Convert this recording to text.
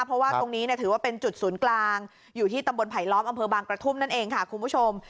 เพราะว่าตรงนี้ถือว่าเป็นจุดศูนย์กลางอยู่ที่ตำบลไผลล้อมอำเภอบางกระทุ่มนั่นเองค่ะคุณผู้ชม